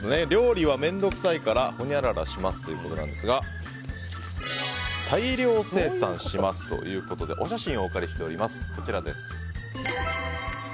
料理は面倒くさいからほにゃららしますということですが大量生産しますということでお写真をお借りしております。